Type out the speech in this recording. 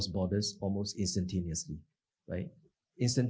ke luar negara hampir secara langsung